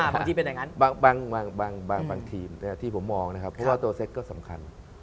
บางทีเป็นอย่างนั้นบางทีมที่ผมมองนะครับเพราะว่าตัวเซ็ตก็สำคัญ